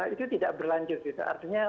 itu tidak berlanjut artinya